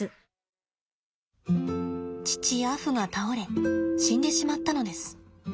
父アフが倒れ死んでしまったのです。